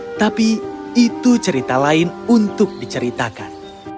tetapi itu cerita lain untuk diceritakan